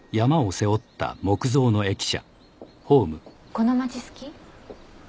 この町好き？